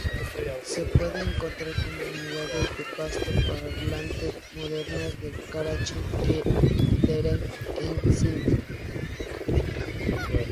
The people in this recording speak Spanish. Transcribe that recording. Se pueden encontrar comunidades de pasto-parlantes modernas en Karachi e Hyderabad en Sindh.